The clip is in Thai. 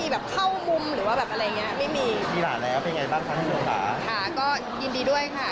รับขวัญหลานใหญ่ไหมคะ